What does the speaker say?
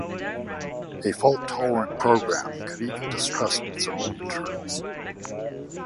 A fault-tolerant program could even distrust its own internals.